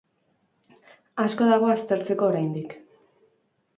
Asko dago aztertzeko oraindik.